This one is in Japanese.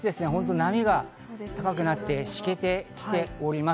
波が高くなって、しけてきております。